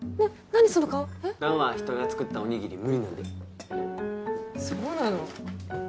弾は人が作ったおにぎり無理なんでそうなの？